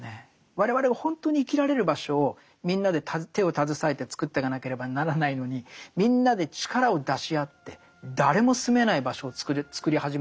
我々が本当に生きられる場所をみんなで手を携えてつくっていかなければならないのにみんなで力を出し合って誰も住めない場所をつくり始めてる。